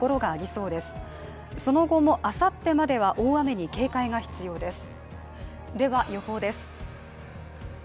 その後もあさってまでは大雨に警戒が必要です